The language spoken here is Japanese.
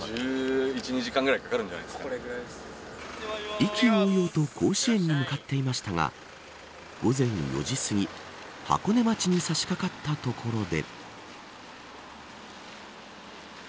意気揚々と甲子園に向かっていましたが午前４時すぎ箱根町に差しかかったところで。